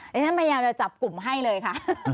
ฉันพยายามจะจับกลุ่มให้เลยค่ะ